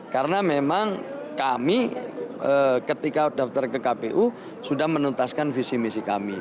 karena memang kami ketika daftar ke kpu sudah menuntaskan visi misi kami